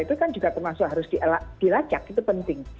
itu kan juga termasuk harus dilacak itu penting